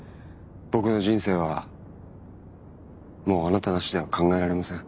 僕の人生はもうあなたなしでは考えられません。